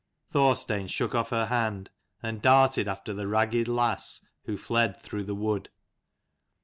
Thorstein shook off her hand, and darted after the ragged lass, who fled through the wood.